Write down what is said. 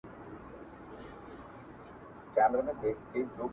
پوليس کور ته راځي ناڅاپه,